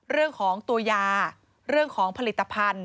เรื่องของตัวยาเรื่องของผลิตภัณฑ์